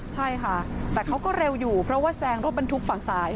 ใช่ค่ะแต่เขาก็เร็วอยู่เพราะว่าแซงรถบรรทุกฝั่งซ้าย